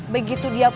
begitu dia pulang